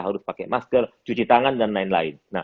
harus pakai masker cuci tangan dan lain lain